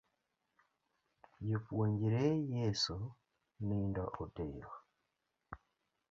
Jopuonjre Yeso nindo otero.